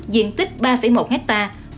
diện tích ba một hectare